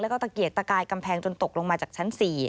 แล้วก็ตะเกียกตะกายกำแพงจนตกลงมาจากชั้น๔